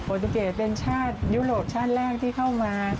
ตูเกตเป็นชาติยุโรปชาติแรกที่เข้ามา